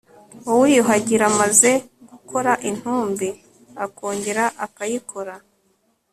uwiyuhagira amaze gukora intumbi, akongera akayikora